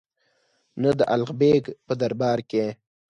نه د الغ بېګ په دربار کې.